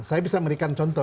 saya bisa memberikan contoh